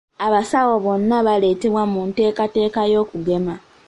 Abasawo bonna baaleetebwa mu nteekateeka y'okugema.